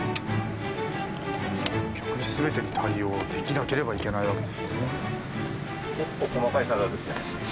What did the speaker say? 逆に全てに対応できなければいけないわけですね。